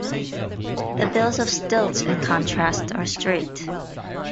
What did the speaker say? The bills of stilts, in contrast, are straight.